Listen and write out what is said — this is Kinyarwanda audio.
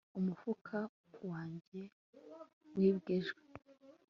umufuka wanjye wibwe ejo